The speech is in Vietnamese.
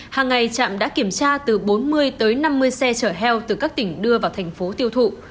hàng ngày trạm đã kiểm tra từ bốn mươi tới năm mươi xe chở heo từ các tỉnh đưa vào thành phố tiêu thụ